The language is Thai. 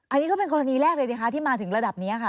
อันนี้ก็เป็นกรณีแรกเลยนะคะที่มาถึงระดับนี้ค่ะ